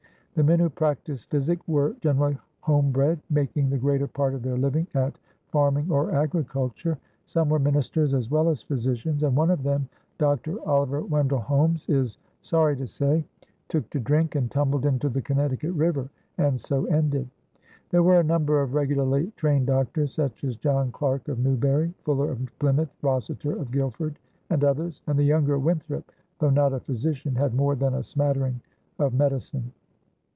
The men who practised physic were generally homebred, making the greater part of their living at farming or agriculture. Some were ministers as well as physicians, and one of them (Dr. Oliver Wendell Holmes is sorry to say) "took to drink and tumbled into the Connecticut River, and so ended." There were a number of regularly trained doctors, such as John Clark of Newbury, Fuller of Plymouth, Rossiter of Guilford, and others; and the younger Winthrop, though not a physician, had more than a smattering of medicine.